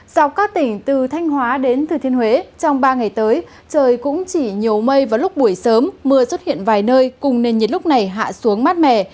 dọc các tỉnh từ thanh hóa đến thừa thiên huế trong ba ngày tới trời cũng chỉ nhiều mây vào lúc buổi sớm mưa xuất hiện vài nơi cùng nền nhiệt lúc này hạ xuống mát mẻ